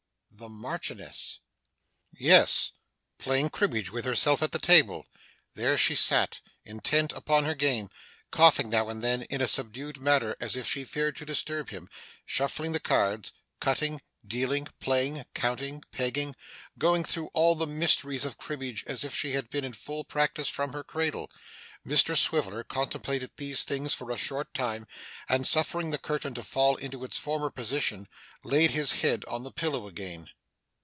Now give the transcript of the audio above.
The Marchioness? Yes; playing cribbage with herself at the table. There she sat, intent upon her game, coughing now and then in a subdued manner as if she feared to disturb him shuffling the cards, cutting, dealing, playing, counting, pegging going through all the mysteries of cribbage as if she had been in full practice from her cradle! Mr Swiveller contemplated these things for a short time, and suffering the curtain to fall into its former position, laid his head on the pillow again.